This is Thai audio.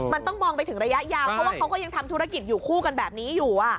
มันต้องมองไปถึงระยะยาวเพราะว่าเขาก็ยังทำธุรกิจอยู่คู่กันแบบนี้อยู่